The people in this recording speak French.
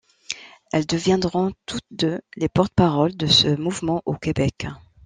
Elles deviendront toutes deux les porte-paroles de ce mouvement au Québec.